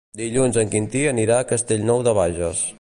Dilluns en Quintí anirà a Castellnou de Bages.